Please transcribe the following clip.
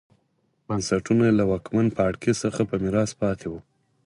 بنسټونه یې له واکمن پاړکي څخه په میراث پاتې وو